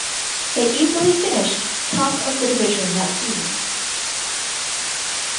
They easily finished top of the division that season.